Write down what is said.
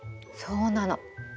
そうなの。